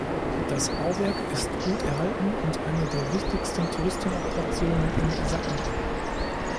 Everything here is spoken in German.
Das Bauwerk ist gut erhalten und eine der wichtigsten Touristenattraktionen in Sakkara.